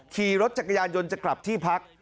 ขี่รถจักรยานยนต์จะกลับที่พัก